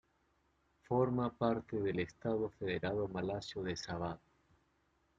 Forma parte del estado federado malasio de Sabah.